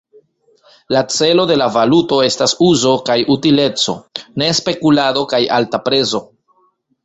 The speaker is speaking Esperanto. La celo de la valuto estas uzo kaj utileco, ne spekulado kaj alta prezo.